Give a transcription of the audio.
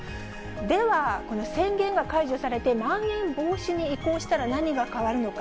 では、この宣言が解除されてまん延防止に移行したら何が変わるのか。